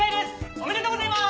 ありがとうございます。